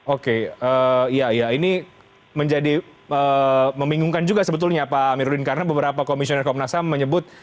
oke iya ya ini menjadi membingungkan juga sebetulnya pak amiruddin karena beberapa komisioner komnas ham menyebut